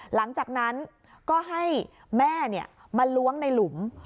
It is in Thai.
หลังจากนั้นก็ให้แม่มาล้วงในหลุม